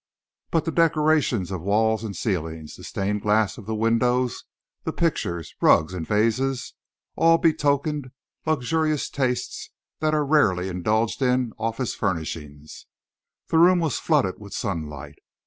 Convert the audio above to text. But the decorations of walls and ceilings, the stained glass of the windows, the pictures, rugs, and vases, all betokened luxurious tastes that are rarely indulged in office furnishings. The room was flooded with sunlight.